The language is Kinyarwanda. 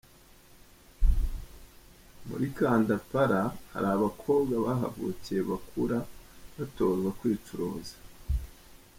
Muri Kandapara hari abakobwa bahavukiye bakura batozwa kwicuruza.